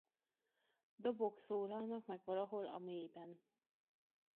Dobok szólalnak meg valahol a mélyben.